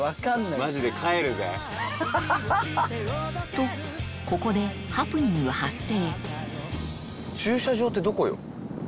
とここでハプニング発生！